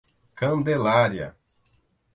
Candelária